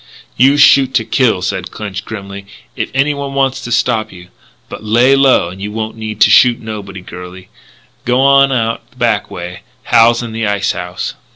"You shoot to kill," said Clinch grimly, "if anyone wants to stop you. But lay low and you won't need to shoot nobody, girlie. G'wan out the back way; Hal's in the ice house."